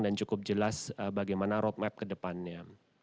dan cukup jelas bagaimana roadmap ke depannya